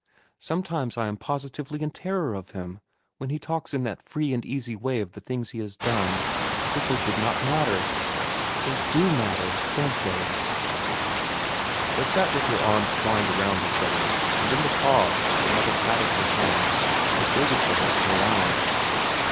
Sometimes I am positively in terror of him, when he talks in that free and easy way of the things he has done—as if they did not matter. They do matter, don't they?" They sat with their arms twined around each other, and in the pause her mother patted her hand and waited for her to go on.